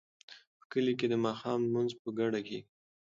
په کلي کې د ماښام لمونځ په ګډه کیږي.